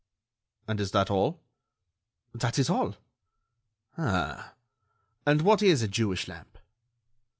"And is that all?" "That is all." "Ah!... And what is a Jewish lamp?"